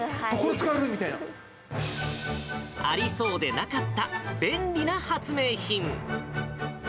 ありそうでなかった便利な発明品。